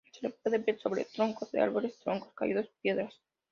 Se lo puede ver sobre troncos de árboles, troncos caídos, piedras.